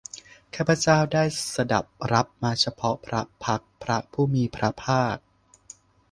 ข้าพเจ้าได้สดับรับมาเฉพาะพระพักตร์พระผู้มีพระภาค